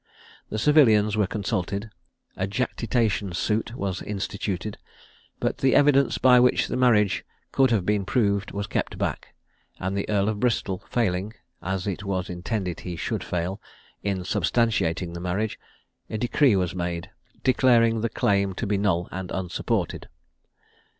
The civilians were consulted, a jactitation suit was instituted; but the evidence by which the marriage could have been proved was kept back, and the Earl of Bristol failing, as it was intended he should fail, in substantiating the marriage, a decree was made, declaring the claim to be null and unsupported.